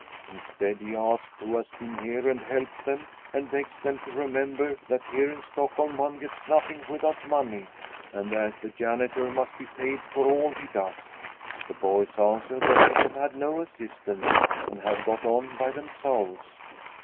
Instead, he asks who has been here and helped them, and begs them to remember that here in Stockholm one gets nothing without money, and that the janitor must be paid for all he does. The boys answer that they have had no assistance and have got on by themselves.